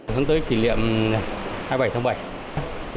thường tới kỉ niệm hai mươi bảy tháng bảy